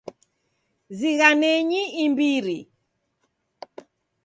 Zighanenyi imbiri.